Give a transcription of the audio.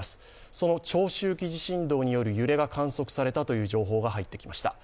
その長周期地震動による揺れが観測されたという情報が入ってきました。